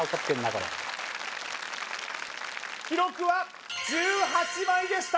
これ記録は１８枚でした・